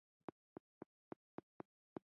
په پای کې د سلب سیخان پیدا کوو